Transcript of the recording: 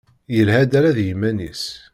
Yelha-d ala d yiman-is.